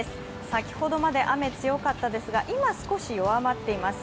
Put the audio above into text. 先ほどまで雨、強かったですが、今少し弱まっています。